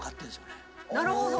なるほど！